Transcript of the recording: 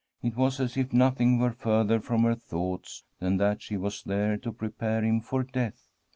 It was as if nothing were fur ther from her thoughts than that she was there to prepare him for death.